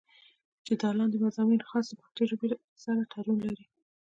چې دا لانديني مضامين خاص د پښتو ژبې سره تړون لري